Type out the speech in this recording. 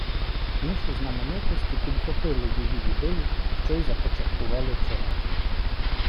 Інші знаменитості підхопили її ідею, що й започаткувало челендж.